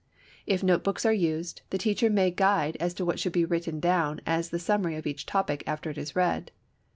If note books are used, the teacher may guide as to what shall be written down as the summary of each topic after it is read.